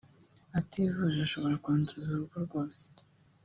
ativuje ashobora kwanduza urugo rwose